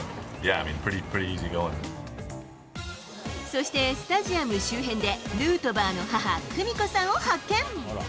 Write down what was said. そしてスタジアム周辺で、ヌートバーの母、久美子さんを発見。